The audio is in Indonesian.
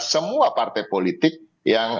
semua partai politik yang